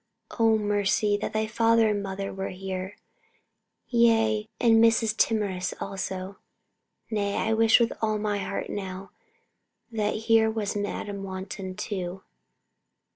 "O Mercy, that thy father and mother were here; yea, and Mrs. Timorous also. Nay, I wish with all my heart now that here was Madam Wanton, too.